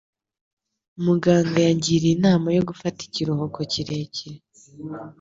Muganga yangiriye inama yo gufata ikiruhuko kirekire.